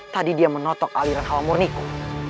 tadi dia menotok aliran hal murniku